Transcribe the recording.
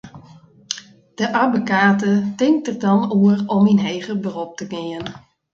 De abbekate tinkt der dan oer om yn heger berop te gean.